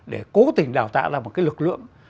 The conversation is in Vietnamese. để cố tình đào tạo ra một cái lực lượng